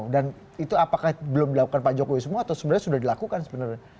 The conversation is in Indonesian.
dan itu apakah belum dilakukan pak jokowi semua atau sebenarnya sudah dilakukan sebenarnya